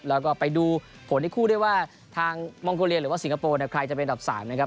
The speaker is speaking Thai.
แล้วก็ไปดูผลอีกคู่ด้วยว่าทางมองโกเลียหรือว่าสิงคโปร์เนี่ยใครจะเป็นอันดับ๓นะครับ